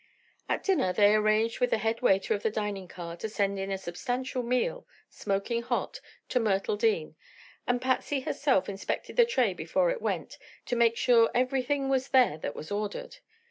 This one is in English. At dinner they arranged with the head waiter of the dining car to send in a substantial meal, smoking hot, to Myrtle Dean, and Patsy herself inspected the tray before it went to make sure everything was there that was ordered.